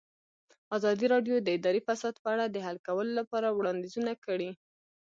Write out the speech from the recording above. ازادي راډیو د اداري فساد په اړه د حل کولو لپاره وړاندیزونه کړي.